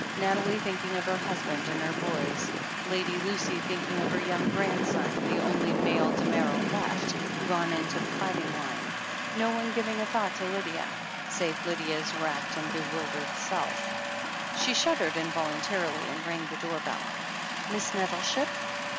... Nathalie thinking of her hus band and her boys. ... Lady Lucy thinking of her young grandson, the only male Damerel left, gone into the fighting line ... no one giving a thought to Lydia, save Lydia's racked and bewildered self. She shuddered involuntarily, and rang the door bell. "MissNettleship?"